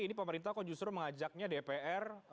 ini pemerintah kok justru mengajaknya dpr